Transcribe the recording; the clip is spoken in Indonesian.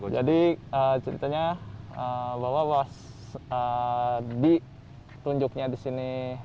jadi ceritanya bahwa di tunjuknya di sini